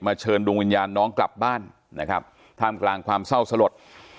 เชิญดวงวิญญาณน้องกลับบ้านนะครับท่ามกลางความเศร้าสลด